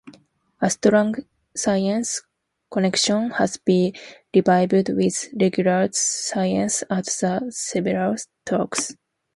A strong science connection has be revived with regular 'Science at the Savile' talks.